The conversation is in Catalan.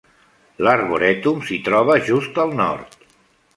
L'arborètum s'hi troba just al nord.